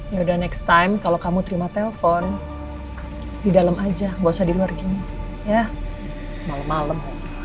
yaudah next time kalau kamu terima telepon di dalam aja gak usah di luar gini ya malem malem